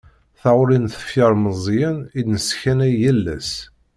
Taɣuri n tefyar meẓẓiyen i d-nesskanay yal ass.